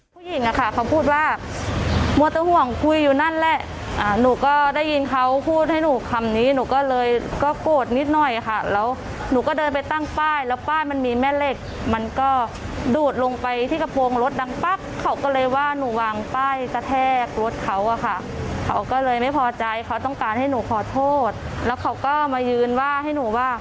ผู้หญิงอะค่ะเขาพูดว่ามัวแต่ห่วงคุยอยู่นั่นแหละหนูก็ได้ยินเขาพูดให้หนูคำนี้หนูก็เลยก็โกรธนิดหน่อยค่ะแล้วหนูก็เดินไปตั้งป้ายแล้วป้ายมันมีแม่เหล็กมันก็ดูดลงไปที่กระโปรงรถดังปั๊บเขาก็เลยว่าหนูวางป้ายกระแทกรถเขาอะค่ะเขาก็เลยไม่พอใจเขาต้องการให้หนูขอโทษแล้วเขาก็มายืนว่าให้หนูว่า